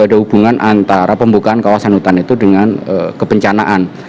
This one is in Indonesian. ada hubungan antara pembukaan kawasan hutan itu dengan kebencanaan